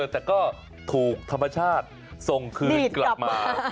แต่ก็ถูกธรรมชาติส่งคืนกลับมา